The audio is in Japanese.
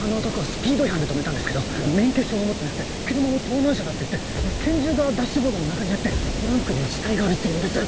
スピード違反でとめたんですけど免許証を持ってなくて車も盗難車だって言って拳銃がダッシュボードの中にあってトランクには死体があるっていうんです。